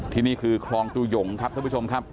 นี่คือคลองตู้หยงครับท่านผู้ชมครับ